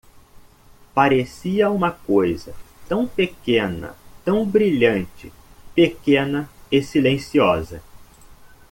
Parecia uma coisa tão pequena, tão brilhante, pequena e silenciosa.